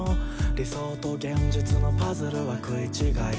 「理想と現実のパズルは食い違い」